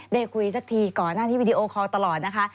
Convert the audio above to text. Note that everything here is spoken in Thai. ได้คุยสักทีก่อนหน้านี้วิดีโอคอลตลอดนะคะ